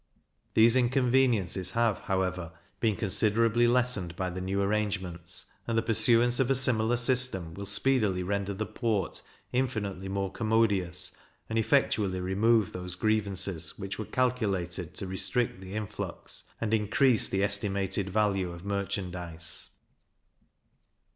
These inconveniences have, however, been considerably lessened by the new arrangements; and the pursuance of a similar system will speedily render the port infinitely more commodious, and effectually remove those grievances which were calculated to restrict the influx, and increase the estimated value of merchandize.